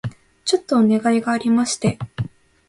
ちょっとお願いがありまして